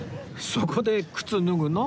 そこで靴脱ぐの？